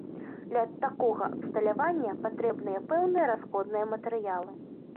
Для такога абсталявання патрэбныя пэўныя расходныя матэрыялы.